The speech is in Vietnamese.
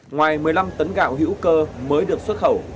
ngoài một mươi năm tấn gạo hữu cơ mới được xuất khẩu